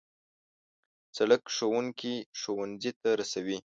سړک ښوونکي ښوونځي ته رسوي.